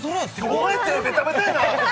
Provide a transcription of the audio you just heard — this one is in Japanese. お前手ベタベタやな！